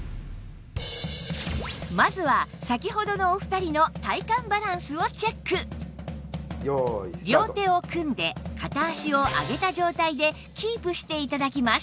まずは先ほどのお二人の両手を組んで片足を上げた状態でキープして頂きます